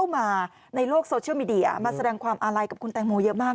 มาแสดงความอาลัยกับคุณแต่งโมเหอะมาก